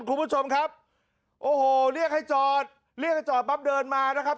คุณผู้ชมครับโอ้โหเรียกให้จอดเรียกให้จอดปั๊บเดินมานะครับ